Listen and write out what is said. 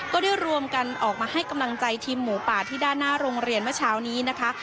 ก็ได้รวมกันออกมาให้กำลังใจทีมหมูป่าที่ด้านหน้าโรงเรียนเมื่อเช้านี้นะคะ